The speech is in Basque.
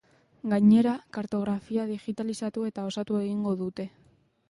Gainera, kartografia digitalizatu eta osatu egingo dute.